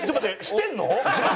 してんの？